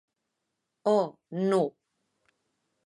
Ò!, non.